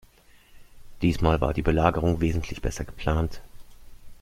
Diesmal war die Belagerung wesentlich besser geplant.